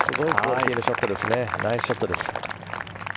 ナイスショットです。